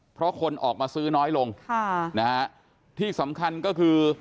เพราะคนออกมาซื้อน้อยลงค่ะนะฮะที่สำคัญก็คือ